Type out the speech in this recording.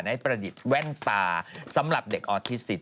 ประดิษฐ์แว่นตาสำหรับเด็กออทิสิท